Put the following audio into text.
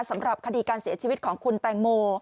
สำหรับคดีการเสียชีวิตของคุณแตงโม